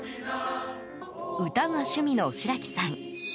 歌が趣味の白木さん。